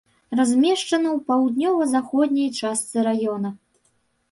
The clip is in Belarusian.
Размешчана ў паўднёва-заходняй частцы раёна.